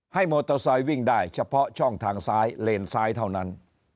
มอเตอร์ไซค์วิ่งได้เฉพาะช่องทางซ้ายเลนซ้ายเท่านั้น